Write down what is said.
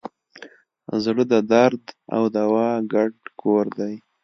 زړه د درد او دوا ګډ کور دی.